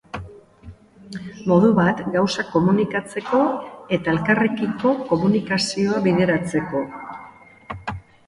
Modu bat gauzak komunikatzeko eta elkarrekiko komunikazioa bideratzeko.